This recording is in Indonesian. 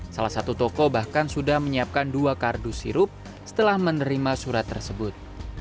salah satu toko bahkan sudah menyiapkan dua kardus sirup setelah menerima surat tersebut